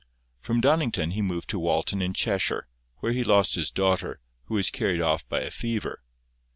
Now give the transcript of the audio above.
From Donnington he removed to Walton in Cheshire, where he lost his daughter, who was carried off by a fever.